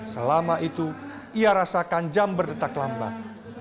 selama itu ia rasakan jam berdetak lambat